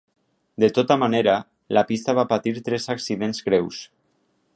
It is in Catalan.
De tota manera, la pista va patir tres accidents greus.